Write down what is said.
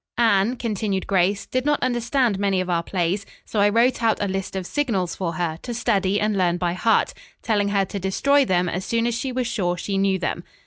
"Anne," continued Grace, "did not understand many of our plays, so I wrote out a list of signals for her, to study and learn by heart, telling her to destroy them as soon as she was sure she knew them.